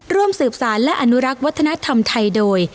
ร่วมสืบสารและอนุรักษ์วัฒนธรรมไทยโดย